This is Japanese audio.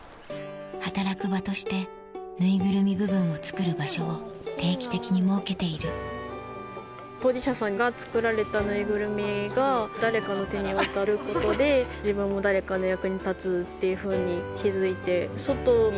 働く場としてぬいぐるみ部分を作る場所を定期的に設けている当事者さんが作られたぬいぐるみが誰かの手に渡ることで。っていうふうに気付いて。